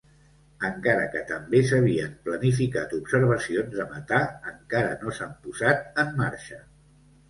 Encara que també s'havien planificat observacions de metà, encara no s'han posat en marxa.